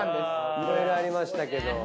いろいろありましたけど。